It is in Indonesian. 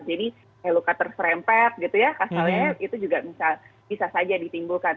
jadi luka terserempet gitu ya kasalnya itu juga bisa saja ditimbulkan